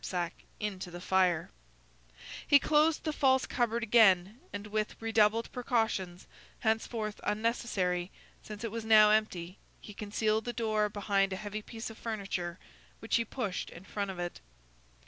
[Illustration: Candlesticks Into the Fire] He closed the false cupboard again, and with redoubled precautions, henceforth unnecessary, since it was now empty, he concealed the door behind a heavy piece of furniture, which he pushed in front of it.